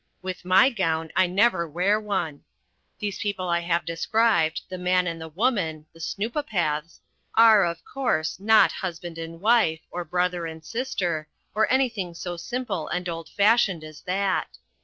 With my gown, I never wear one. These people I have described, The Man and The Woman The Snoopopaths are, of course, not husband and wife, or brother and sister, or anything so simple and old fashioned as that.